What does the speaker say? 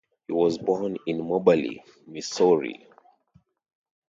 He was born in Moberly, Missouri.